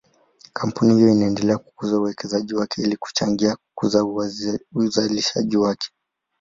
Kampuni hiyo inaendelea kukuza uwekezaji wake ili kuchangia kukuza uzalishaji wake.